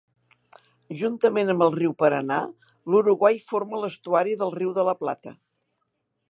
Juntament amb el Riu Paranà, l'Uruguai forma l'estuari del Riu de la Plata.